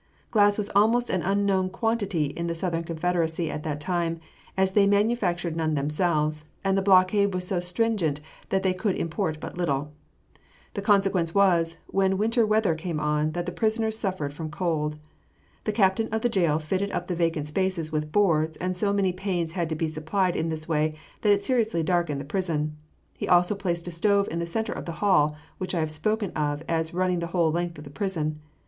Glass was almost an unknown quantity in the Southern Confederacy at that time, as they manufactured none themselves, and the blockade was so stringent that they could import but little. The consequence was, when winter weather came on, that the prisoners suffered from cold. The captain of the jail fitted up the vacant spaces with boards, and so many panes had to be supplied in this way that it seriously darkened the prison. He also placed a stove in the centre of the hall which I have spoken of as running the whole length of the prison.